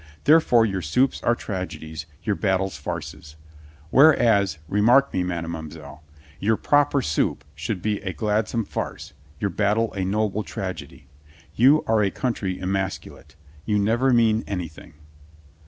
Therefore your soups are tragedies, your battles farces. Whereas — remark me, madamoiselle — ^your proper soup should be a gladsome farce, your battle a noble tragedy. You are a country emasculate. You never mean anything."